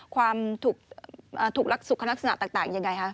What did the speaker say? ความถูกรักสุขลักษณะต่างยังไงคะ